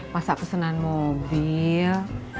masa pesenan mobil